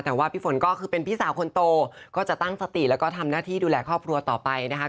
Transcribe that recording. แต่ว่าพี่ฝนก็คือเป็นพี่สาวคนโตก็จะตั้งสติแล้วก็ทำหน้าที่ดูแลครอบครัวต่อไปนะคะ